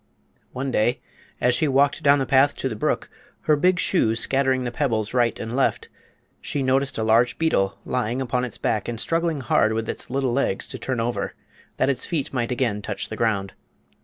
One day, as she walked down the path to the brook, her big shoes scattering the pebbles right and left, she noticed a large beetle lying upon its back and struggling hard with its little legs to turn over, that its feet might again touch the ground.